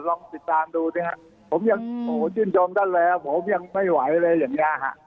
ลองติดตามดูสิฮะผมยังโอ้โหชื่นชมท่านแล้วผมยังไม่ไหวเลยอย่างเงี้ยฮะ